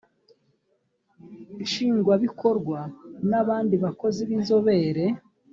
nshingwabikorwa n abandi bakozi b inzobere